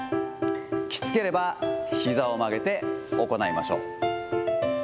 きつければ、ひざを曲げて行いましょう。